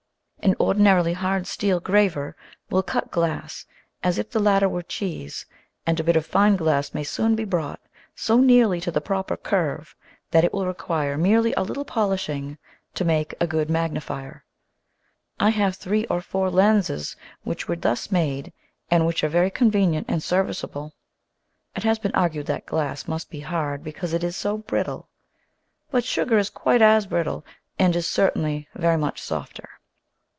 An ordinarily hard steel graver will cut glass as if the latter were cheese, and a bit of fine glass may soon be brought so nearly to the proper curve that it will require merely a little polishing to make a good magnifier. I have three or four lenses which were thus made and which are very convenient and serviceable. It has been argued that glass must be hard because it is so brittle. But sugar is quite as brittle and it is cer tainly very much softer.